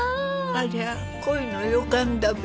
ありゃあ恋の予感だべ。